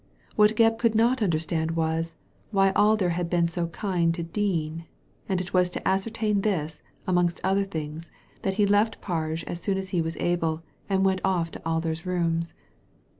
What Gebb could not understand was, why Alder had been so kind to Dean ; and it was to ascertain this, amongst other things, that he left Parge as soon as he was able, and went off to Alder's rooms.